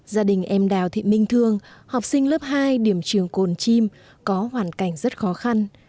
gia đình em đào thị minh thương học sinh lớp hai điểm trường cồn chim có hoàn cảnh rất khó khăn